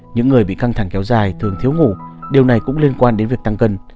những người bị căng thẳng kéo dài thường thiếu ngủ điều này cũng liên quan đến việc tăng cân